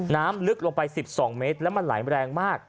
น้ำลึกลงไป๑๒เมตรแล้วมันไหลแรงมาก